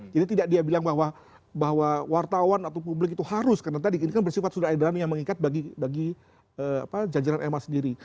jadi tidak dia bilang bahwa wartawan atau publik itu harus karena tadi ini kan bersifat sudah edaran yang mengikat bagi jajaran ma sendiri